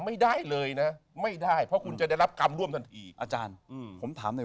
ไม่ได้เลยนะไม่ได้เพราะคุณจะได้รับกรรมร่วมทันทีอาจารย์ผมถามใน